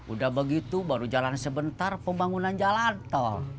udah begitu baru jalan sebentar pembangunan jalan tol